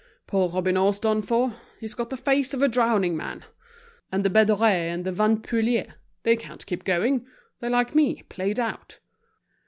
"Poor Robineau's done for, he's got the face of a drowning man. And the Bédorés and the Vanpouilles, they can't keep going; they're like me, played out.